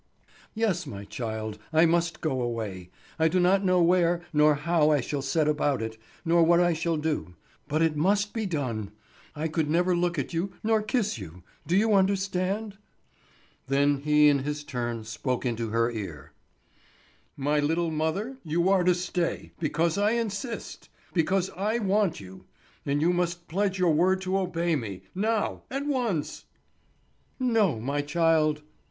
"Yes, my child, I must go away. I do not know where, nor how I shall set about it, nor what I shall do; but it must be done. I could never look at you, nor kiss you, do you understand?" Then he in his turn spoke into her ear: "My little mother, you are to stay, because I insist, because I want you. And you must pledge your word to obey me, now, at once." "No, my child."